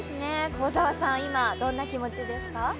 幸澤さん、今どんな気持ちですか。